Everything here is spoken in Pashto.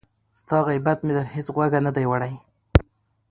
ستا غیبت مي تر هیڅ غوږه نه دی وړی